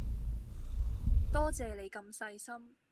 多謝你咁細心